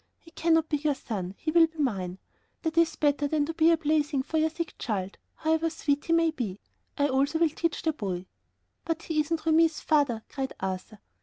He cannot be your son; he will be mine. That is better than to be a plaything for your sick child, however sweet he may be. I also will teach the boy.'" "But he isn't Remi's father," cried Arthur.